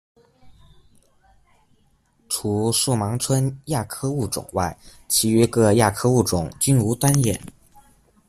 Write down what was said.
除树盲蝽亚科物种外，其余各亚科物种均无单眼。